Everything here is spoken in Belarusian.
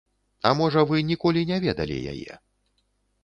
А можа, вы ніколі не ведалі яе.